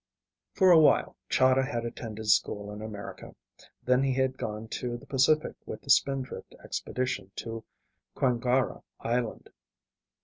For a while Chahda had attended school in America, then he had gone to the Pacific with the Spindrift expedition to Kwangara Island.